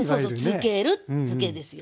つけるづけですよね。